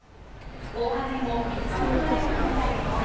後半にも３つのトライを決めた日本。